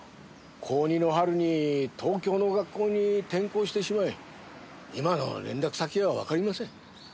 高２の春に東京の学校に転校してしまい今の連絡先はわかりません。